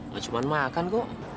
lo cuma makan kok